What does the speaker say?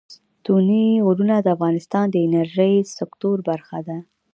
ستوني غرونه د افغانستان د انرژۍ سکتور برخه ده.